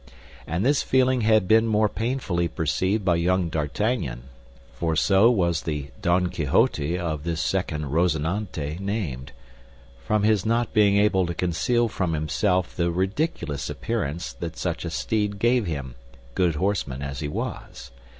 And this feeling had been more painfully perceived by young D'Artagnan—for so was the Don Quixote of this second Rosinante named—from his not being able to conceal from himself the ridiculous appearance that such a steed gave him, good horseman as he was.